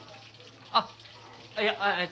あっいやえっと